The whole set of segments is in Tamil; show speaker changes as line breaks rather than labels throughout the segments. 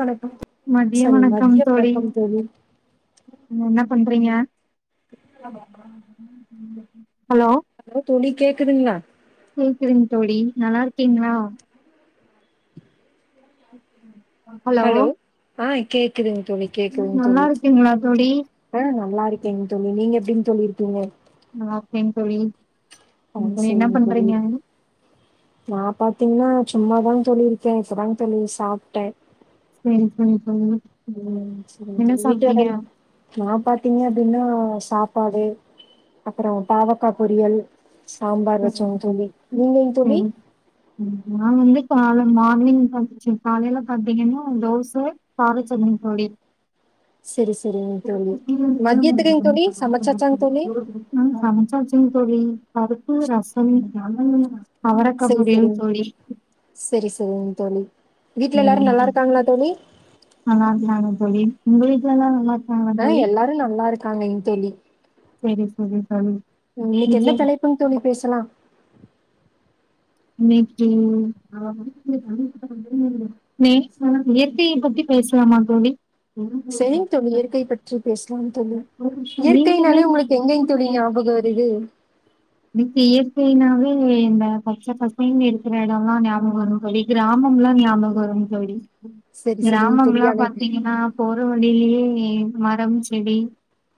வணக்கம்
மதிய
சாரி
வணக்கம்
மதிய
தோழி
வணக்கம்
என்ன பண்றீங்க ஹலோ
ஹலோ தோழி கேக்குதுங்ளா
கேக்குதுங் தோழி நல்லா இருக்கீங்ளா ஹலோ
ஆ கேக்குதுங் தோழி கேக்குதுங்
நல்லா
தோழி
இருக்கீங்களா தோழி
ஆ நல்லா இருக்கேங் தோழி நீங்க எப்டிங் தோழி இருக்கிங்க
நல்லா இருக்கே தோழி
ஆ
ம் செரி என்ன
சரிங்க தோழி
பண்றீங்க
நா பாத்தீங்னா சும்மாதா தோழி இருக்கே இப்பதாங் தோழி சாப்ட்டே
செரி செரி தோழி
ம் செரிங்
என்ன
தோழி வீட்ட
சாப்ட்டீங்க
[unintelligible] நா பாத்தீங்க அப்டினா சாப்பாடு அப்றோ பாவக்கா பொரியல் சாம்பார் வச்சங் தோழி நீங்கங் தோழி
ம் நா வந்து கால மார்னிங் சமச்சி வச்சே காலையில பாத்தீங்கனா தோச சாரி சொல்லின்கிறாளே
செரி செரி சமைச்சாச்சாங்க தோழி
[unintelligible] நா சமச்சாச்சிங் தோழி பருப்பு ரசம் [unintelligible]
செரி
பொரியல்
செரி
தோழி
செரி செரிங் தோழி வீட்ல எல்லாரு நல்லா இருக்காங்ளா தோழி
ஆனா நானு போயி உங்களுக்கு வேனா நல்லார்க்
க எல்லாரு நல்லா இருக்காங்கைங் தோழி
செரி செரி தோழி
இன்னைக்கு எந்த தலைப்புங் தோழி பேசலா
இன்னைக்கி [unintelligible] லேக்கு இயற்கைய பத்தி பேசலாமா தோழி
சேரிங் தோழி இயற்கை பற்றி பேசலா தோழி இயற்கையினாலே உங்களுக்கு எங்கெங் தோழி
நீங்களே
ஞாபக வர் ருது
எனக்கு இயற்கைனாவே இந்த பச்ச பசைனு இருக்கிற இடொல்லா ஞாபக வருது தோழி கிராமம்ல்லா ஞாபக வரு தோழி
செரி செரிங் தோழி
கிராமம்ல்லா
ஆனா
பாத்தீங்கனா போற வழியிலியே மரம் செடி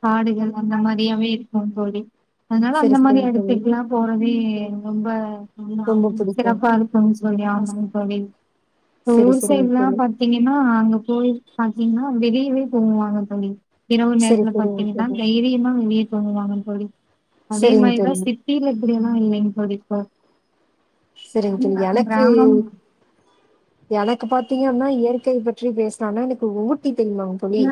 காடுகள் அந்த மாரியாவே இருக்கு தோழி அதனால அந்த
செரி
மாரி
செரிங் தோழி
எடத்துக்லா போறதே ரொம்ப ஆமா
ரொம்ப
ம்
புடிக்கு
சிறப்பா இருக்கனு சொல்லி ஆமாங் தோழி
செரி
ஊர்
செரிங்
சைட்லா
தோழி
பாத் தீங்கனா அங்க போய் பாத்தீங்னா வெளியவே தூங்குவாங்க தோழி இரவு
செரி
நேரத்துல
செரிங்
பாத்தீங்கனா
தோழி
தைரியமா வெளியே தூங்குவாங்க தோழி அதே
செரிங்
மாரிதா
தோழி
சி கீழ இப்டியெல்லா இல்லைங் தோழி
செரிங் தோழி எனக்கு
கிராமம்
எனக்கு பாத்தீங்க அப்பினா இயற்கை பற்றி பேசனம்னா எனக்கு ஊட்டி தெரியுமா தோழி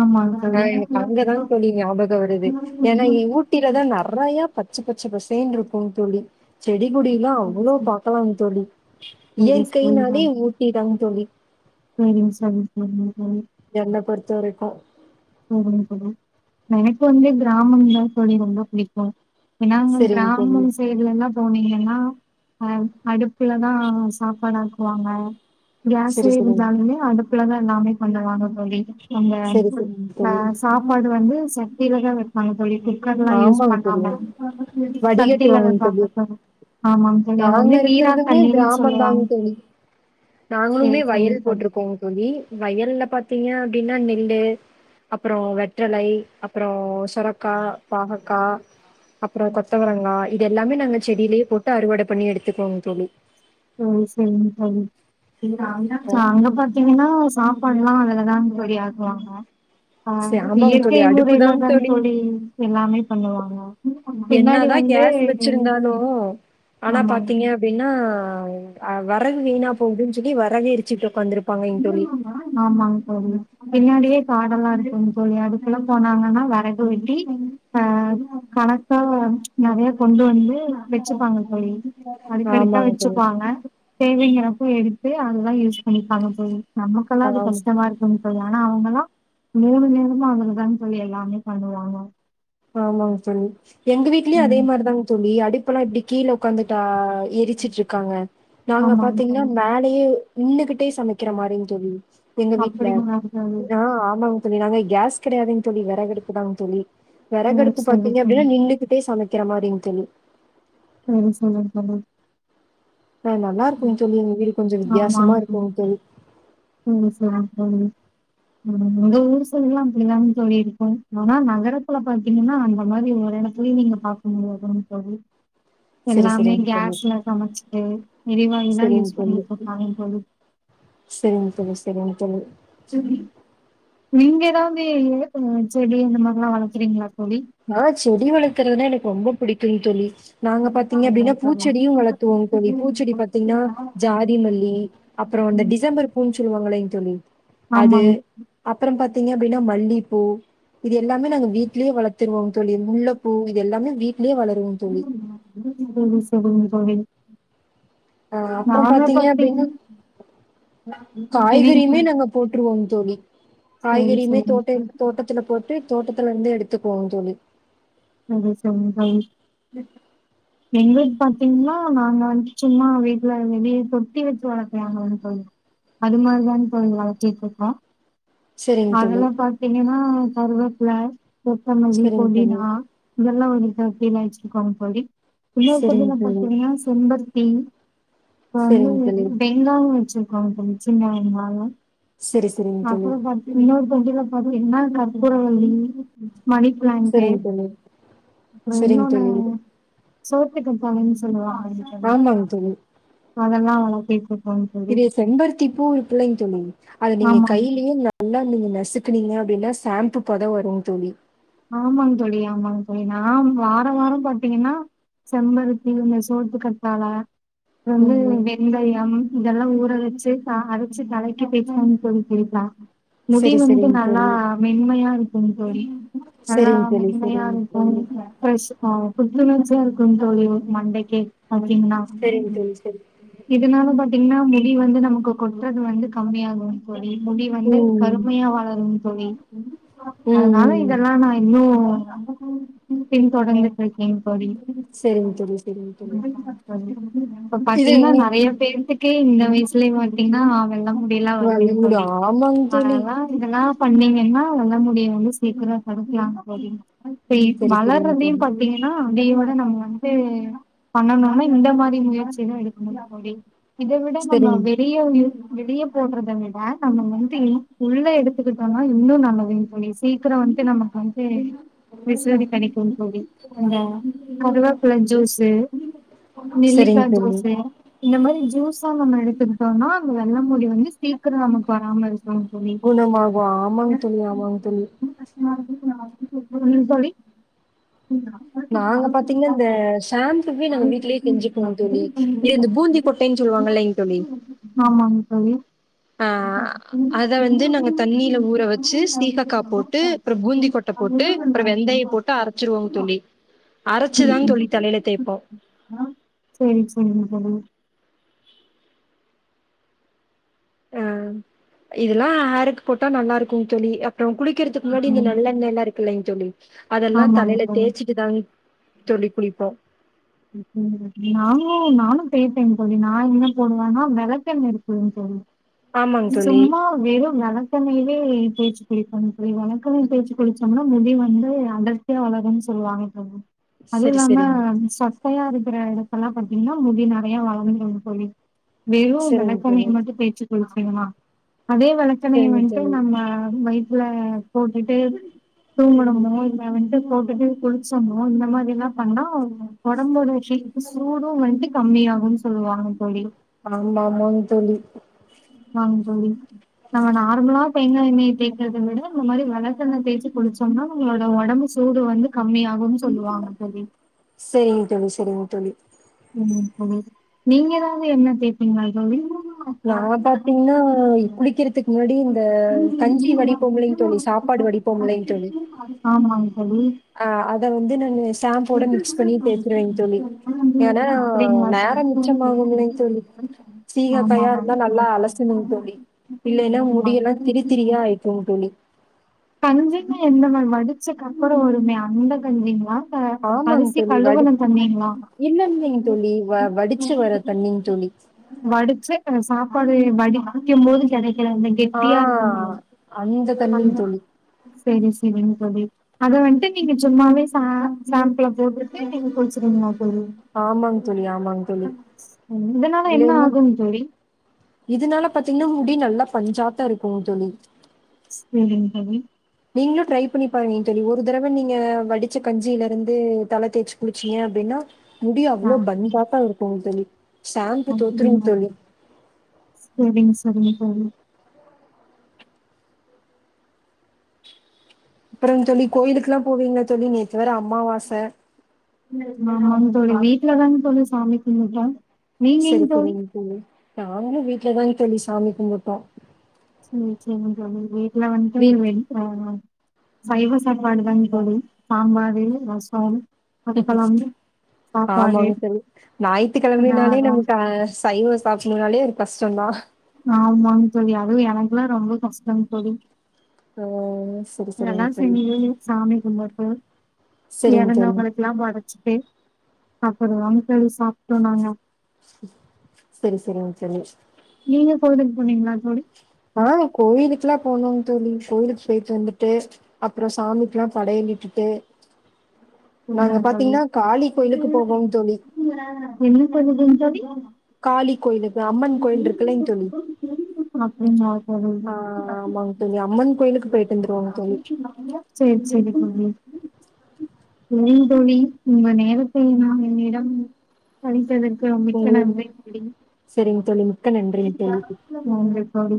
ஆமாங்க
ஆ
தோழி
எனக்கு அங்கதா தோழி ஞாபக வருது ஏனா இங்க ஊட்டிலதா நெறையா பச்ச பச்ச பசேன்ருக்கு தோழி செடி கொடில்லா
சேரிங்க
சொல்லாம் தோழி
தோழி
இயற்கையினாலே ஊட்டி தாங் தோழி
சரிங்க சரி சரி சரி
என்ன பொறுத்த வரைக்கு
செரிங் தோழி எனக்கு வந்து கிராமம் தா தோழி ரொம்ப பிடிக்கு ஏனா அங்க வந்து
சரிங்க தோழி.
கிராமம் சைட் இல்லனா போனீங்கன்னா அ அடுப்புலதா சாப்பாடாக்குவாங்க கேஸ்ஸே
சரி சரிங்க.
இருந்தாலுமே அடுப்புலதா எல்லாமே பண்ணுவாங்க தோழி அங்க
சரி சரிங்க
சா
தோழி.
சாப்பாடு வந்து சட்டியிலதா வைப்பாங்க தோழி குக்கர்லா யூஸ்
ஆமாங்க தோழி.
பண்ணாம சட்டியில வைப்பாங்க தோழி ஆமாங் தோழி அது
நாங்க
வந்து
இருக்கிறதுமே
நீராத்தண்ணினு
கிராமம்
சொல்லுவாங்க
தாங்க
தோழி
நாங்களுமே
சேரி தோழி
வயல்
பண்ண
போட்டிருக்கோம் தோழி வயல்ல பாத்தீங்க அப்டின்னா நெல்லு அப்பறோ வெற்றலை அப்பறோ சொர க்கா, பாகக்கா அப்பறோ கொத்தவரங்கா இது எல்லாமே நாங்க செடியிலயே போட்டு அறுவட பண்ணி எடுத்துக்கோவங் தோழி
சேரி சேரிங் தோழி
ஓ
நாங்க பாத்தீங்கனா சாப்பாடுலா அதுலதாங் தோழி ஆக்குவாங்க ஆ,
சே ஆமாங்க
இயற்கை
தோழி அடுப்புதாங்க
முறையிலதாங் தோழி எல்லாமே பண்ணுவாங்க பின்னாடி
என்னாதா
வந்து
கேஸ் வச்சிருந்தாலு ஆனா பாத்தீங்க
ஆமாங்க
அப்டினா அ வறகு வீணா போகுதுன்னு சொல்லி வறகே எரிச்சிட்டு ஒக்காந்துருப்பாங்கங் தோழி
ஆமாங் தோழி, பின்னாடியே காடெல்லா இருக்குங் தோழி அதுக்குலா போனாங்கனா வெறகு வெட்டி ஆ கணக்கா நறைய கொண்டு வந்து வெச்சுப்பாங்க தோழி அடுக்கடுக்கா
ஆமாங்க தோழி
வெச்சுப்பாங்க தேவைங்கிறப்ப எடுத்து அததா யூஸ் பண்ணப்பாங்க தோழி நமக்கெல்லா அது
ஆமா
கஷ்டமாருக் குங் தோழி ஆனா அவங்கல்லா மூணு நேரமு அதுலதாங்க தோழி எல்லாமே பண்ணுவாங்க
ஆமாங்க தோழி எங்க வீட்லயு அதே
ம்
மாரிதாங்க தோழி அடுப் ப்பல்லா இப்டி கீழ உட்காந்துட்டா எரிச்சட்டு இருக்காங்க நாங்க
ஆமாங்
பாத்தீங்கனா
தோழி
மேல யே நின்னுகிட்டே சமைக்கிற மாரிங் தோழி எங்க வீட்ல
அப்படிங்களா தோழி
ஆ ஆமாங் தோழி நாங்க கேஸ் கடையாதுங் தோழி வெறகடுப்புதா தோழி
ம்
வெறகடுப்பு
சரி
பாத்தீங்க
தோழி
அப்டின்னா நின்னுகிட் டே சமைக்கிற மாரிங் தோழி
ம் சொல்லுங்க தோழி
ந நல்லா இருக்குங் தோழி எங்க வீடு கொஞ்ச வித்தியாசமா
ஆமாங்
இருக்குங் தோழி
ம் சேரிங் தோழி எங்க ஊரு சைடுலா அப்டிதானுங் தோழி இருக்கு ஆனா நகரத்துல பாத்தீங்கன்னா அந்த மாரி ஒரு எடத் துலியு நீங்க பாக்க முடியாதுங்க தோழி
சரி,
எல்லாமே
சரிங்க தோழி.
கேஸ்ல சமைச்சுட்டு எரிவாயுதா
சரிங்க
யூஸ்
தோழி.
பண்ணிட்டுருக்காங்க தோழி
சரிங்க தோழி சரிங்க தோழி
தோழி, நீங்க ஏதாவது இயற்கை மர செடி இந்த மாரில்லா வளக்குறீங்களா தோழி
ஆ செடி வளக்கறதுனா எனக்கு ரொம்ப பிடிக்குங் தோழி நாங்க பாத்தீங்க அப்டின்னா பூச்செடியு வளத்துவோங் தோழி பூச்செடி பாத்தீங்கனா ஜாதிமல்லி அப்றோ இந்த டிசம்பர் பூ னு சொல்லுவாங்களேங் தோழி
ஆமாங்
அப்பற பாத்தீங்க அப்டின்னா மல்லிப்பூ இது எல்லாமே நாங்க வீட்லேயே வளத் துருவோங் தோழி முல்ல பூ இது எல்லாமே வீட்லயே வளருவோங் தோழி
சரி சரிங்க தோழி
அ அப்பறோ
நாங்க
பாத்தீங்க அப்டின்னா
பாத்தீங்கன்னா சரி சரி
காய்கறியுமே
சரி
நாங்க போட்டுருவோ தோழி காய்கறியுமே தோட்ட தோட்டத்துல போட்டு தோட்டத்துல இருந்து எடுத்துக்குவோங் தோழி
சரி சரிங்க தோழி எங்களுக்கு பாத்தீங்கனா நாங்க வந்து சும்மா வீட்ல வெளிய தொட்டி வச்சு வளக்குவாங்களாங் தோழி அதுமாரிதாங் தோழி வளத்திட்டு இருக்கோ
செரிங் தோழி
அதெல்லா பாத்தீங்கனா கருவப்பில சொத்தமல்லி
செரிங் தோழி
புதினா இதெல்லா ஒரு தொட்டில வச்சிருக்கோ தோழி இன்னொரு
செரிங்
தொட்டில
தோழி
பாத்தீங்கனா செம்பருத்தி இப்ப வந்து
செரிங் தோழி
பெங்காவு வச்சிருக்கோ தோழி சின்ன வெங்காய
சரி சரிங்க தோழி
அப்ற பாத் இன்னொரு பக்கத்ல பாத்திங்கனா கற்பூரவல்லி மணி பிளான்ட்டு
சரிங்க தோழி
அப்ற
சரிங்க
இன்னொன்னு
தோழி
சோத்துக்கற்றாழைன் சொல்லுவாங்கல்லயா
ஆமாங்க தோழி
அதெல்லா வளத்திட்ருக்கோ
இது செம்பருத்தி பூ இருக்குல்லங்க தோழி அது நீங்க
ஆமாங்
கைலயே நீங்க நல்லா நீங்க நசுக்குனீங்க அப்டினா சாம்பு பத வரு தோழி
ஆமாங்க தோழி ஆமாங்க தோழி நா வார வார பாத்தீங்கனா செம்பருத்தி இந்த சோத்து கத்தாழ
ம் ம்
வந்துவெ ந்தயம் இதெல்லா ஊற வச்சு அரச்சு தலைக்கி தேச்சு குளிக்கறது கேக்லா முடி
சரி
வந்து
சரிங்க
நல்லா
தோழி
மென்மையாருக்கு தோழி நல்லா
சரிங்க தோழி சரிங்க
மென்மையாருக்கு
தோழி
பிரெஷ் அ புத்துணர்ச்சியா இருக்கு தோழி மண்டைக்கே பாத்தீங்னா
சரிங்க தோழி சரி
இதனால பாத்தீங்னா முடி வந்து நமக்கு கொட்றது வந்து கம்மியாகு தோழி முடி வந்து
ம்
கருமையா வளரு தோழி
ம்
அதனால இத
ம்
ஆனா இனனு பின் தொடந்துட்ருக்கே தோழி
சரிங்க தோழி சரிங்க தோழி
இப்ப
இது
பாத்தீங்கனா நெறய பேருக்கு கு இந்த வயசுலயே பாத்தீங்கன்னா வெள்ள முடில்லா வருதுங்க
வலிங்குடு
தோழி
ஆமாங்க தோழி
ஆனா இதெல்லா பண்ணீங்கன்னா உங்க முடி வந்து சீக்கிர தடுக்கலா தோழி இப்ப இப்
சரி சரிங்க
வளர்றதையு
தோழி
பா்த்தீங்கன்னா அப்டியே கூட நம்ம வந்ட்டு பண்ணனுனா இந்த மாரி முயற்சிதா எடுக்கனு முடி இத விட நம்ம
சரிங்க
வெளிய தியோ வந்து வெளிய போடுறத விட நம்ம வந்து உள்ள எடுத்துக்கிட்டோனா இன்னு நல்லது தோழி சீக்கிர இப்ப நமக்கு வந்து விசுவது கெடைக்கு தோழி அந்த கருவாப்புல ஜூஸு நெல்லிக்கா
சரிங்க தோழி
ஜூஸு இந்த மாரி ஜூஸா நம்ம எடுத்துக்கிட்டோனா அந்த வெள்ளமுடி வந்து சீக்கரோ நமக்கு வராம இருக்கு ஆமா தோழி
குணமாகு ஆமாங் தோழி ஆமாங்தோழி
[unintelligible] தோழி
நாங்க பாத்தீங்கனா இந்த ஷாம்புவே நாங்க வீட்லயே செஞ்சுப்போ தோழி ஏ இந்த பூந்தி கொட்டனு சொல்லுவாங்கல்லைங்க தோழி
ஆமாங்‌ தோழி
ஆ அத வந்து நாங்க தண்ணில ஊற வச்சு சீஹக்கா போட் டு அப்றோ பூந்திக்கொட்ட போட்டு அப்றோ வெந்தயோ போட்டு அரச்சுருவோ தோழி அரச்சுதா தோழி தலைல தேய்ப்போ
ஆ சரி சரிங்க தோழி
ஆ இதெல்லா ஹாருக்கு போட்டா நல்லாருக்கு தோழி அப்பற குளிக்கிறதுக்கு முன்னாடி இந்த நல்லெண்ணெயல்லா இருக்குல்லங்க தோழி அதெல்லா
ஆமாங்க
தலைல
தோழி
தே்ச்சிட்டு தா தோழி குளிப்போ
நானு நானு தேப்பே தோழி நா என்ன போடுவனா வெளக்கெண்ண இருக்குல
ஆமாங்க
தோழி
தோழி.
சும்மா வெறு வெளக்கெண்ணயவே தேச்சு தேய்க்கனு தோழி வழக்கமா தேச்சு குளிச்சோனா முடி வந்து அடர்த்தியா வளருன் சொல்லுவாங்க தோழி அதுவு
சரி,
இல்லாம
சரிங்க.
சொட்டயா இருக்குற எடத்தலா பாத்தீங்னா முடி நெறயா வளர்ந்துரு தோழி வெறு
சரிங்க
வெளக்கண்ணய
தோழி.
மட்டு தேச்சு குளிச்சிங்னா அதே வெளக் கண்ணைய
சரிங்க
வந்ட்டு
தோழி.
நம்ம வய்த்துல போட்டுட்டு தூங்குணோமோ அத வந்ட்டு போட்டுட்டு குளிச்சோமோ இந்த மாரிலா பண்ணா ஒடம்போட ஹி சூடு வன்ட்டு கம்மியாகுனு சொல்வாங்க தோழி
ஆமா ஆமாங் தோழி
ஆமாங் தோழி நாங்க நார்மலா தேங்கா எண்ணய தேக்கிறத விட இந்த மாரி வெளக்கண்ணய தேச்சு குளிச்சோனா உங்ளோட ஒடம்பு சூடு வந்து கம்மியாகுனு சொல்லுவாங்க தோழி
சேரிங்க தோழி சேரிங்க தோழி
ம் நீங்க ஏதாவது எண்ண தேப்பீங்லா தோழி
நா பா த்தீங்கன்னா குளிக்கிறதுக்கு முன்னாடி இந்த கஞ்சி வடிப்போம்லேங் தோழி சாப்பாடு வடிப்போம்லேங் தோழி
ஆமாங் தோழி
ஆ அத வந்து நானு ஷாம்போட மிக்ஸ்
அப்டிங்களா
பண்ணி தேச்சுருவேங் தோழி ஏனா நேரோ
தோழி?
மிச்சமாகும்லேங் தோழி சீயக்காயா
ஆமாமா.
இருந்தா நல்லா அலசணுங் தோழி இல்லைன்னா முடியெல்லா திரித்திரியா
ஆமாங்க.
ஆய்க்குங்க தோழி
கஞ்சின்னா எந்த மாரி வடிச்சகப்பறோ வருமே அந்த கஞ்சிங்ளா
ஆமாங் தோழி வடி இல்ல இல்லைங் தோழி வ வடிச்சி வர தண்ணிங் தோழி
வடிச்ச அ சாப்பாடு வடிக்க போது கெடைக்கிற அந்த
ஆ
கெட்டியா இருக்குமே
அந்த தண்ணிங்க
அதா
தோழி.
சேரி சேரிங் தோழி அத வன்ட்டு நீங்க சும்மாவே சா சாம்புள போட்டுட்டு நீங்க குளிச்சிருவீங்ளா
ஆமாங்க தோழி, ஆமாங்க தோழி.
ம் இதனால என்ன
இல்லைன்னா
ஆகும் தோழி
இதனால பாத்தீங்கன்னா முடி நல்லா பஞ்சாட்டோ இருக்குங் தோழி
சேரிங்க தோழி
நீங்களு ட்ரை பண்ணி பாருங்க தோழி ஒரு தடவ நீங்க வடிச்ச கஞ்சிலருந்து தல தேச்சு குளிச்சீங்க அப்டின்னா முடி
ஆ
அவ்ளோ பந்த்தாட்டோ இருக்குங் தோழி ஷாம்பு தோத்துரும்
அப்படியா
தோழி.
சேரிங் சேரிங்க தோழி
அப்புறங்க தோழி கோயிலுக்குல்லா போவீங்களா தோழி நேத்து வேற அமாவாச
ஆமாங்க தோழி வீட்டுலதாங் தோழி சாமி கும்ட்டோ
செரி சேரிங்க தோழி நாங்களு வீட்டுலதாங் தோழி சாமி கும்முட்டோ
சேரி சேரிங்க தோழி வீட்டுல வந்துட்டு
வீட்
வெளி போனு சைவ சாப்பாடுதாங் தோழி சாம்பார் வெரு ரசோ அப்பளம் சாப்பாடு
ஆமாங்க தோழி ஞாயித்துக்கிழம்மைனாலே
நான்
நமக்கு அ சைவோ சாப்டனுனாலே அது கஷ்டந்தா
ஆமாங்க தோழி அதுவு எனக்கெல்லா ரொம்ப கஷ்டோங் தோழி
ஆ அ செரி
இதெல்லா
செரிங் செரி
செஞ்சு சாமி கும்புட்டு
சரிங்க தோழி.
எறங்காமலே ல்லாம் படைச்சிட்டு அப்புறோ வன்ட்டு அது சாப்ட்டோ நாங்க
செரி செரிங் தோழி
நீங்க கோவிலுக்கு போனீங்ளா தோழி
ஆ கோயிலுக்கெல்லா போனோங் தோழி கோயிலுக்கு போய்ட்டு வந்துட்டு அப்றோ சாமிக்குல்லா படையல் இட்டுட்டு
என்னா தோழி
காளி கோயிலுக்கு போவோம் தோழி.
[inaudible] என்ன சொல்லுதுங் தோழி
காளி கோயிலுக்கு அம்மன் கோயில் இருக்ங்குல்லைங் தோழி
அப்டிங்களா
ஆ
தோழி
ஆமாங் தோழி அம்மன் கோயிலுக்கு போயிட்டு வந்துருவோங்க தோழி
சேரி செரி தோழி சொல்லுங் தோழி உங்க நேரத்தை நான் என்னிடம் அழைத்ததற்க்கு ரொம் மிக்க
ம்
நன்றி தோழி
சரிங்க தோழி. மிக்க நன்றிங்க தோழி.
போங்கள் தோழி